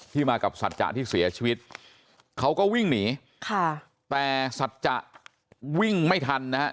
ที่มากับสัตว์จะที่เสียชีวิตเขาก็วิ่งหนีแต่สัตว์จะวิ่งไม่ทันนะครับ